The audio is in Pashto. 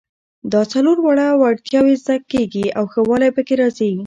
دا څلور واړه وړتیاوې زده کیږي او ښه والی پکې راځي.